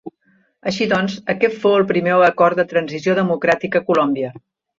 Així doncs aquest fou el primer acord de transició democràtica a Colòmbia.